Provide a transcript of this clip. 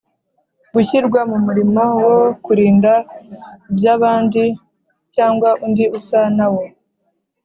gushyirwa mu murimo wo kurinda iby’abandi cyangwa undi usa na wo;